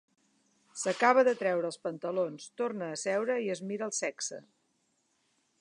S'acaba de treure els pantalons, torna a seure i es mira el sexe.